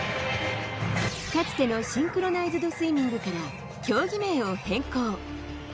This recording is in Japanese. かつてのシンクロナイズドスイミングから競技名を変更。